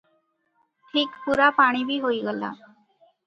ଠିକ୍ ପୂରା ପାଣି ବି ହୋଇଗଲା ।